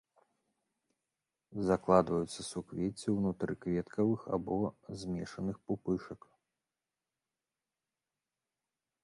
Закладваюцца суквецці ўнутры кветкавых або змешаных пупышак.